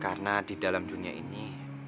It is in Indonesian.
karena di dalam dunia ini